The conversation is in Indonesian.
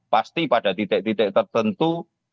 pasti pada titik titik tertentu